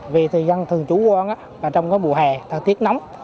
vì thời gian thường chủ quan là trong cái buổi hè thật tiếc nóng